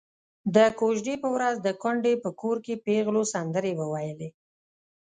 د کوژدې په ورځ د کونډې په کور کې پېغلو سندرې وويلې.